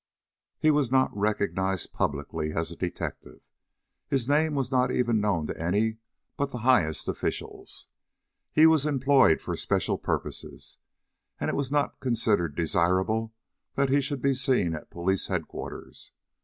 He was not recognized publicly as a detective. His name was not even known to any but the highest officials. He was employed for special purposes, and it was not considered desirable that he should be seen at police head quarters.